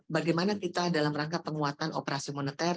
bagaimana kita dalam rangka penguatan operasi moneter